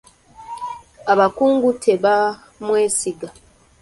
Abakungu tebamwesiga.